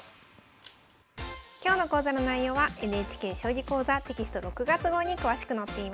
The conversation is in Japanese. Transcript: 今日の講座の内容はＮＨＫ「将棋講座」テキスト６月号に詳しく載っています。